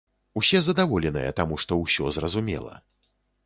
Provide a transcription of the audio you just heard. Усе задаволеныя, таму што ўсё зразумела.